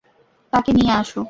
তাকে নিয়ে আস।